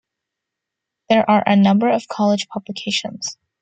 There are a number of college publications.